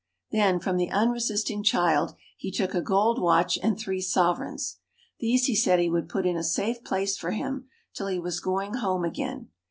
Then from the unresisting child he took a gold watch and three sovereigns. These he said he would put in a safe place for him, till he was going home again.